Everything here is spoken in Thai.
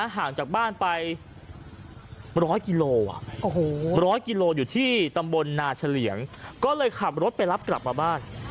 ห่างจากบ้านไป๑๐๐กิโล๑๐๐กิโลอยู่ที่ตำบลนาเฉลี่ยงก็เลยขับรถไปรับกลับมาบ้าน